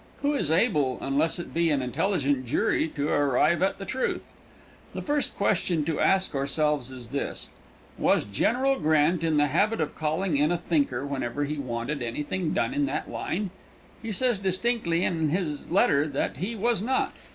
Who is able, unless it be an intelligent jury, to arrive at the truth? The first question to ask ourselves is this: Was General Grant in the habit of calling in a thinker whenever he wanted anything done in that line? He says distinctly in his letter that he was not.